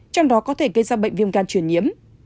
trong đó có thể gây ra bệnh viêm gan truyền nhiễm